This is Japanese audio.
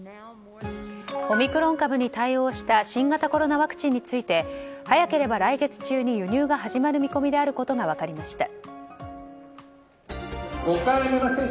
オミクロン株に対応した新型コロナワクチンについて早ければ来月中に輸入が始まる見込みであることが分かりました。